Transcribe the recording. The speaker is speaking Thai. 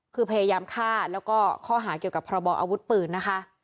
คือพยายามฆ่าแล้วก็ข้อหาเกี่ยวกับพระบออาวุธปืนนะคะ